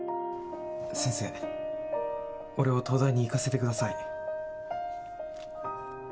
先生俺を東大に行かせてください。